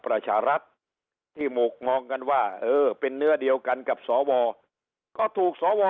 ประชารัฐที่หมกมองกันว่าเออเป็นเนื้อเดียวกันกับสวก็ถูกสว